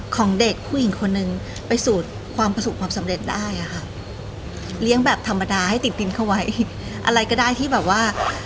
ของเด็กผู้หญิงคนนึงไปสู่ความประสบความสำเร็จได้อะค่ะเลี้ยงแบบธรรมดาให้ติดดินเข้าไว้อะไรก็ได้ที่แบบว่า